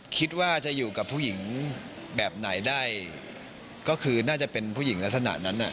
คิดว่าจะอยู่กับผู้หญิงแบบไหนได้ก็คือน่าจะเป็นผู้หญิงลักษณะนั้นอ่ะ